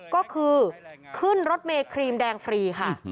ก็คือขึ้นรถเมย์ครีมแดงฟรีค่ะ